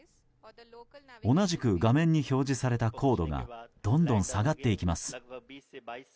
同じく、画面に表示された高度がどんどん下がっていきます。